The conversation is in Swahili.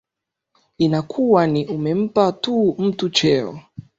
inakuwa ni umempa tu mtu cheo